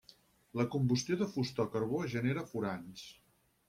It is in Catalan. La combustió de fusta o carbó genera furans.